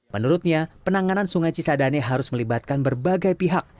menurutnya penanganan sungai cisadane harus melibatkan berbagai pihak